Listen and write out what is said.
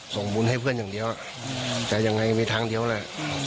ส่งบุญให้เพื่อนอย่างเดียวแต่ยังไงมีทางเดียวแหละ